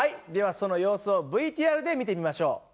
その様子をＶＴＲで見てみましょう。